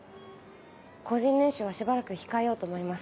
個人練習はしばらく控えようと思います。